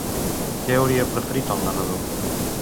Què hauria preferit el narrador?